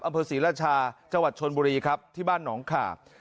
อำเภอศรีราชาจังหวัดชนบุรีครับที่บ้านหนองขาบ